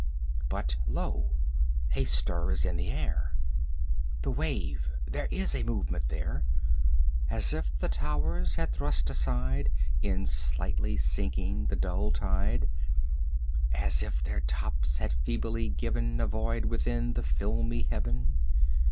But lo, a stir is in the air! The wave there is a movement there! As if the towers had thrust aside, In slightly sinking, the dull tide; 45 As if their tops had feebly given A void within the filmy Heaven!